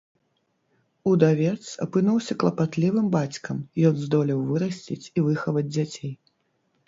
Удавец апынуўся клапатлівым бацькам, ён здолеў вырасціць і выхаваць дзяцей.